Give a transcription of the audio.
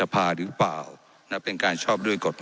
ไม่ได้เป็นประธานคณะกรุงตรี